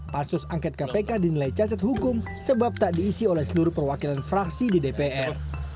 pansus angket kpk dinilai cacat hukum sebab tak diisi oleh seluruh perwakilan fraksi di dpr